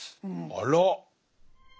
あら！